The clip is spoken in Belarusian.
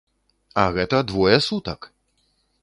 А гэта двое сутак!